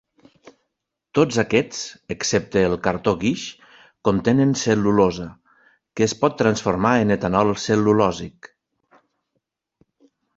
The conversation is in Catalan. Tots aquests, excepte el cartó guix, contenen cel·lulosa, que es pot transformar en etanol cel·lulòsic.